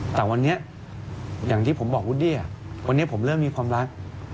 แต่วันนี้อย่างที่ผมบอกวูดดี้วันนี้ผมเริ่มมีความรัก